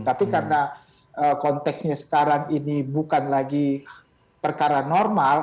tapi karena konteksnya sekarang ini bukan lagi perkara normal